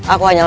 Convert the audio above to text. aku hanya lesu